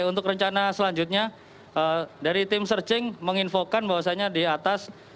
untuk rencana selanjutnya dari tim searching menginfokan bahwasannya di atas